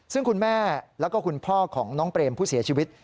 ซึ่งคุณแม่แล้วก็คุณพ่อของน้องเปรมผู้เสียชีวิต